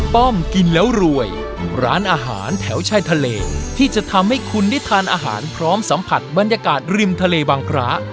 ป้อมกินแล้วรวยร้านอาหารแถวชายทะเลที่จะทำให้คุณได้ทานอาหารพร้อมสัมผัสบรรยากาศริมทะเลวังพระ